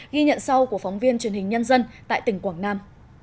ghi nhận sau của phóng viên truyền hình nhân dân tại tỉnh quảng nam